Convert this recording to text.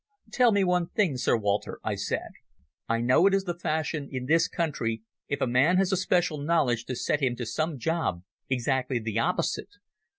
"Tell me one thing, Sir Walter," I said. "I know it is the fashion in this country if a man has a special knowledge to set him to some job exactly the opposite.